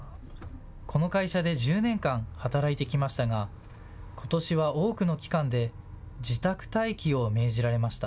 この会社で１０年間、働いてきましたがことしは多くの期間で自宅待機を命じられました。